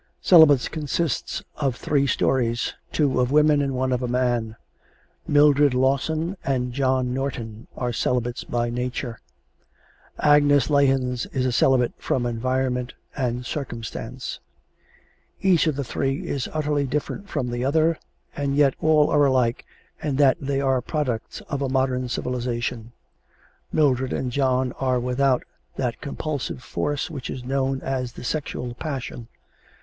"Celibates" consists of three stories two of women and one of a man. Mildred Lawson and John Norton are celibates by nature. Agnes Lahens is a celibate from environment and circumstance. Each of the three is utterly different from the other, and yet all are alike in that they are the products of a modern civilization. Mildred and John are without that compulsive force which is known as the sexual passion.